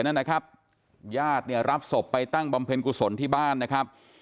นั่นนะครับญาติเนี่ยรับศพไปตั้งบำเพ็ญกุศลที่บ้านนะครับ